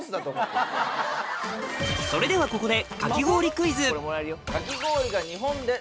それではここで